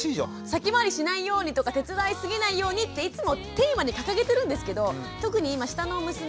先回りしないようにとか手伝いすぎないようにっていつもテーマに掲げてるんですけど特に今下の娘